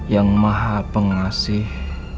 yang maha pengasih